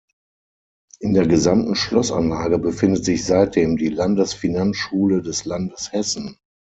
In der gesamten Schlossanlage befindet sich seitdem die Landesfinanzschule des Landes Hessen.